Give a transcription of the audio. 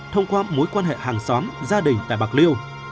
thông qua mối quan hệ hàng xóm gia đình tại bạc liêu